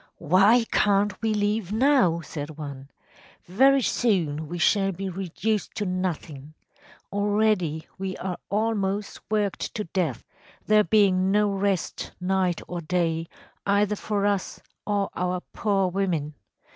“Why can’t we leave now?‚ÄĚ said one. “Very soon we shall be reduced to nothing. Already we are almost worked to death‚ÄĒthere being no rest, night or day, either for us or our poor women.